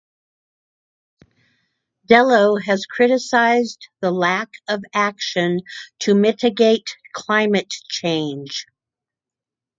Dello has criticised the lack of action to mitigate climate change.